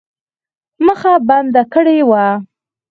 مخه بنده کړې وه.